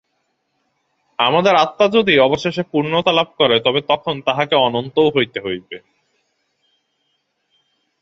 আমাদের আত্মা যদি অবশেষে পূর্ণতা লাভ করে, তবে তখন তাহাকে অনন্তও হইতে হইবে।